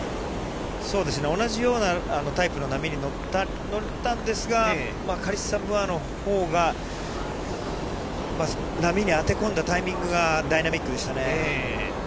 同じようなタイプの波に乗ったんですけど、カリッサ・ムーアのほうが波に当て込んだタイミングがダイナミックでしたね。